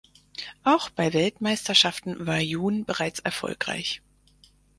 Auch bei Weltmeisterschaften war Jun bereits erfolgreich.